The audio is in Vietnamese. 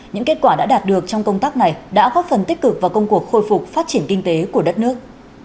những kết quả đã đạt được trong công tác này đã góp phần tích cực vào công cuộc khôi phục phát triển kinh tế của đất nước